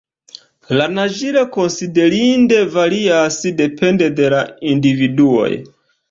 La naĝilo konsiderinde varias depende de la individuoj.